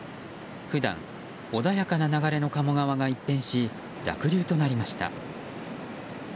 普段、穏やかな流れの鴨川が一変し、濁流となりました。